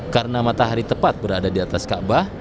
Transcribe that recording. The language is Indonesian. karena matahari tepat berada di atas ka bah